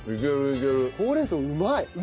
ほうれん草うまい。